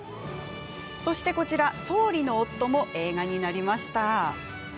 そしてこちら「総理の夫」も映画になりました。